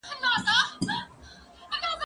زه هره ورځ د کتابتوننۍ سره خبري کوم!.